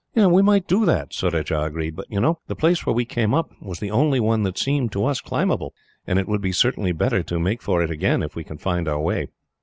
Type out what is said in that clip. "We might do that," Surajah agreed; "but you know, the place where we came up was the only one that seemed to us climbable, and it would be certainly better to make for it again, if we can find our way."